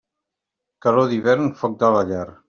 Calor d'hivern, foc de la llar.